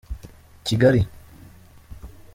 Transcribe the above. kigali.